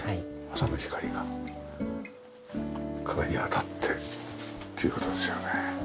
朝の光が壁に当たってっていう事ですよね。